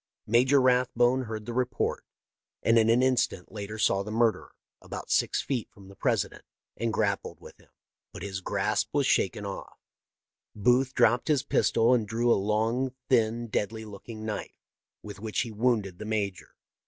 " Major Rathbone heard the report, and an in stant later saw the murderer, about six feet from the President, and grappled with him, but his grasp was shaken off. Booth dropped his pistol and drew a long, thin, deadly looking knife, with which he wounded the major.